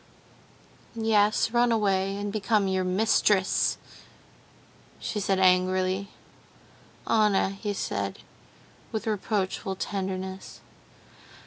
"Yes, run away, and become your mistress," she said angrily. "Anna," he said, with reproachful tenderness.